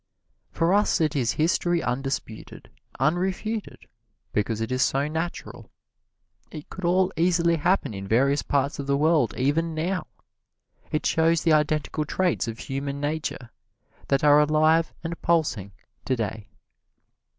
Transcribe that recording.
For us it is history undisputed, unrefuted, because it is so natural. It could all easily happen in various parts of the world even now. It shows the identical traits of human nature that are alive and pulsing today.